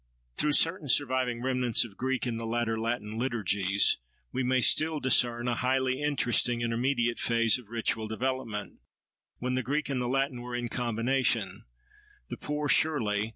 Through certain surviving remnants of Greek in the later Latin liturgies, we may still discern a highly interesting intermediate phase of ritual development, when the Greek and the Latin were in combination; the poor, surely!